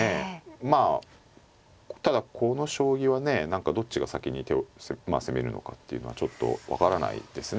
まあただこの将棋はねどっちが先に手をまあ攻めるのかっていうのはちょっと分からないですね。